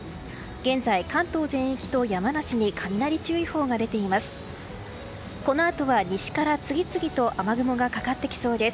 現在、関東全域と山梨に雷注意報が出ています。